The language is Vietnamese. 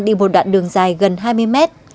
đi một đoạn đường dài gần hai mươi mét